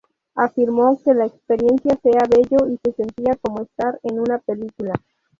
Afirmó que la experiencia sea "bello" y se sentía como estar en una película.